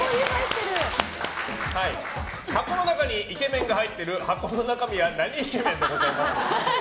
箱の中にイケメンが入っている箱の中身はなにイケメン？です。